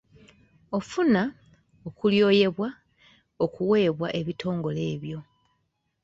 Ofuna okulyoyebwa okuweebwa ebitongole ebyo.